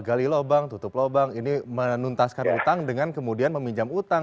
gali lobang tutup lobang ini menuntaskan hutang dengan kemudian meminjam hutang